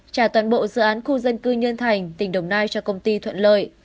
trả toàn bộ dự án khu dân cư nhân thành tỉnh đồng nai cho công ty thuận lợi